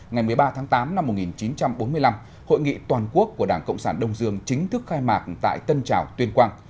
ngày một mươi ba tháng tám năm một nghìn chín trăm bốn mươi năm hội nghị toàn quốc của đảng cộng sản đông dương chính thức khai mạc tại tân trào tuyên quang